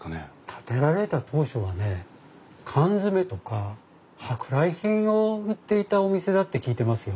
建てられた当初はね缶詰とか舶来品を売っていたお店だって聞いてますよ。